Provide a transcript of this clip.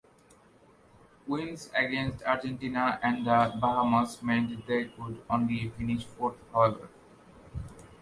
Wins against Argentina and the Bahamas meant they could only finish fourth however.